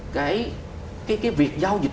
cái việc giao dịch